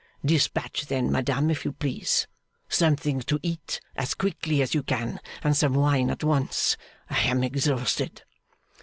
'Dispatch then, madame, if you please. Something to eat, as quickly as you can; and some wine at once. I am exhausted.